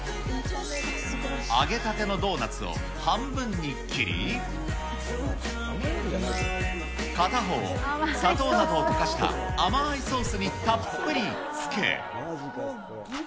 揚げたてのドーナツを半分に切り、片方を砂糖などを溶かした甘いソースにたっぷりつけ。